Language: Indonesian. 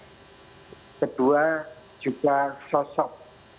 kedua juga sosok